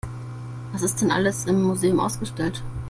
Was ist denn alles im Museum ausgestellt?